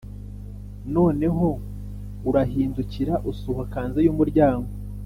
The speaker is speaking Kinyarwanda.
noneho urahindukira usohoka hanze yumuryango.